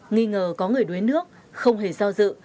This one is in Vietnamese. nghĩ ngờ có người đuối nước không hề do dự